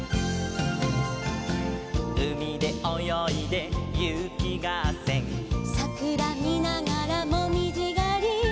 「うみでおよいでゆきがっせん」「さくらみながらもみじがり」